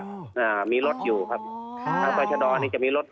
ผมก็เลยต้องขับไปตรงจุดนั้นนะครับ